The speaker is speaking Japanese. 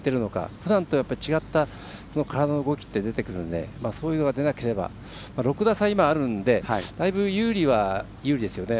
ふだんと違った体の動きって出てくるのでそういうのが出なけば今、６打差あるのでだいぶ、有利は有利ですよね。